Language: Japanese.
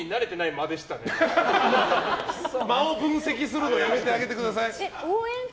間を分析するのやめてあげてください。